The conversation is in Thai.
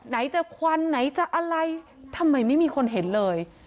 ไหนจะควันไหนจะอะไรทำไมไม่มีคนเห็นเลย